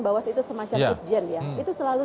bawas itu semacam itjen ya itu selalu